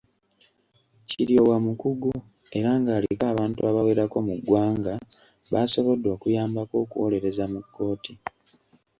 Kiryowa mukugu era ng’aliko abantu abawerako mu ggwanga b’asobodde okuyambako okuwolereza mu kkooti.